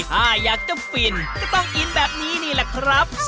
ถ้าอยากจะฟินก็ต้องอินแบบนี้นี่แหละครับ